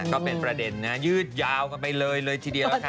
ก็เป็นประเด็นนะยืดยาวกันไปเลยเลยทีเดียวค่ะ